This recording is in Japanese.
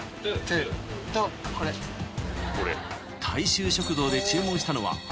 ［大衆食堂で注文したのは］